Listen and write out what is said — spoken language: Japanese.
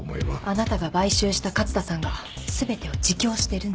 あなたが買収した勝田さんが全てを自供してるんです。